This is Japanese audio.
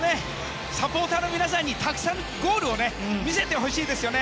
サポーターの皆さんにたくさんゴールを見せてほしいです。